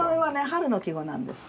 春の季語なんです。